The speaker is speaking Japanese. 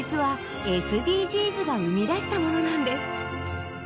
実はＳＤＧｓが生み出したものなんです